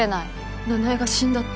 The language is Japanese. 奈々江が死んだって。